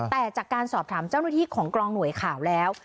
แต่จากการสอบถามเจ้าหน้าที่ของกรองหน่วยข่าวแล้ว